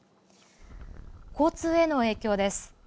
交通への影響です。